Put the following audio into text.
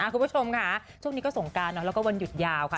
คุณผู้ชมค่ะช่วงนี้ก็สงการแล้วก็วันหยุดยาวค่ะ